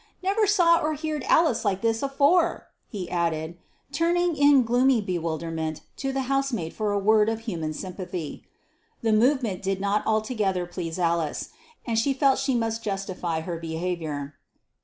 Never saw or heerd Alice like this afore!" he added, turning in gloomy bewilderment to the housemaid for a word of human sympathy. The movement did not altogether please Alice, and she felt she must justify her behaviour.